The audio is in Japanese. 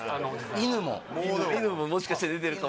犬も犬ももしかして寝てるかも